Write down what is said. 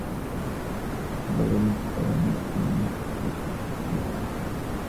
হেমনলিনী প্রাণপণে নিজেকে সংযত করিয়া বসিয়াছিল।